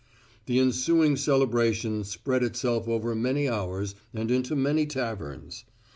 The ensuing celebration spread itself over many hours and into many taverns.